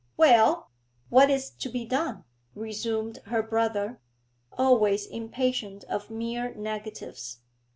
'Well, what is to be done?' resumed her brother, always impatient of mere negatives.